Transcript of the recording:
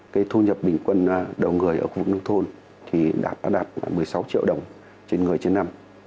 cái thu nhập bình quân đầu người ở khu vực nông thôn thì đạt một mươi sáu triệu đồng trên người trên năm